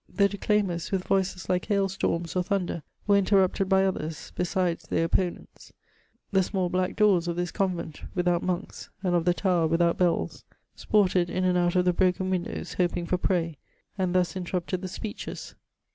The declaimers, with Tdiees like hail storms or thunder, were interrupted by others, beddes their opponents. The small black daws of tms cfmveoi with out monks, and of the tower without bells, sported in and out of the broken windows, hewing for prey; and dms int^rv^ted the speedies.